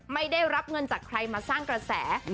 ไม่ได้รับเงินจากใครมาสร้างกระแส